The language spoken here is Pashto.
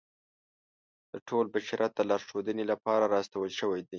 د ټول بشریت د لارښودنې لپاره را استول شوی دی.